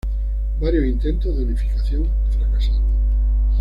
Varios intentos de unificación fracasaron.